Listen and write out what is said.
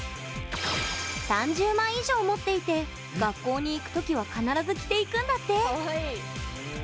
３０枚以上持っていて学校に行く時は必ず着ていくんだって。